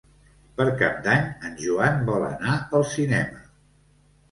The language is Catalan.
Per Cap d'Any en Joan vol anar al cinema.